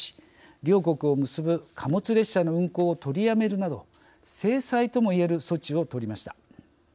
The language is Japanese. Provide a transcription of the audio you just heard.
両国を結ぶ貨物列車の運行を取りやめるなど制裁ともいえる措置をとりました。